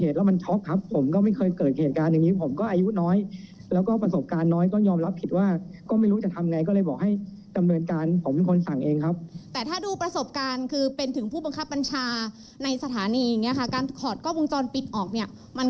ถอดออกนะหลังจากที่เกิดเหตุอย่างนี้ค่ะ